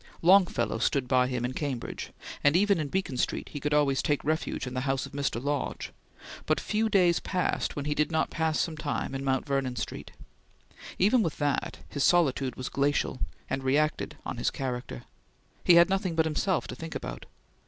Longfellow stood by him in Cambridge, and even in Beacon Street he could always take refuge in the house of Mr. Lodge, but few days passed when he did not pass some time in Mount Vernon Street. Even with that, his solitude was glacial, and reacted on his character. He had nothing but himself to think about.